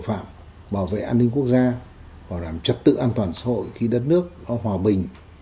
phạm bảo vệ an ninh quốc gia và làm trật tự an toàn xã hội khi đất nước lo hòa bình